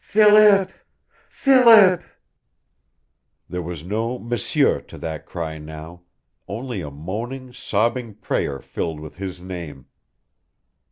"Philip! Philip!" There was no M'SIEUR to that cry now, only a moaning, sobbing prayer filled with his name.